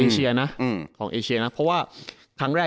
ใช่ใช่